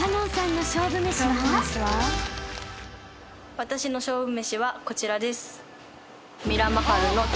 私の勝負めしはこちらです。